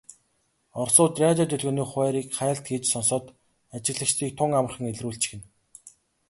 Оросууд радио долгионы хуваарийг хайлт хийж сонсоод ажиглагчдыг тун амархан илрүүлчихнэ.